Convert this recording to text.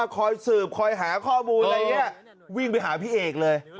คอยสืบคอยหาข้อมูลอะไรเนี่ยวิ่งไปหาพี่เอกเลย